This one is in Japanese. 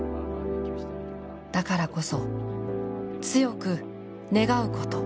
だからこそ強く願うこと。